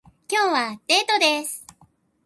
今日はデートです